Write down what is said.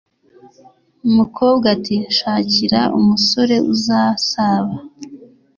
Umukobwa ati shakira umusore uzasaba